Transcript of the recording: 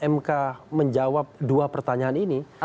mk menjawab dua pertanyaan ini